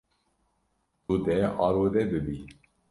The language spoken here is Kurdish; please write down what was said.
Tu dê arode bibî.